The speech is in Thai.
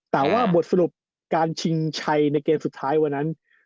แต่ว่าบทสรุปการชิงชัยในเกมสุดท้ายวันนั้น